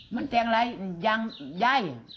มันแทงไหลยังได้